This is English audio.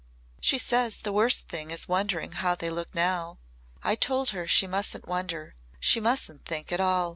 She says the worst thing is wondering how they look now. I told her she mustn't wonder. She mustn't think at all.